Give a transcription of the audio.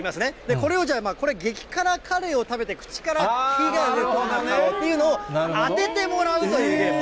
これをじゃあ、激辛カレーを食べて、口から火が出ているような顔というのを当ててもらうというゲーム。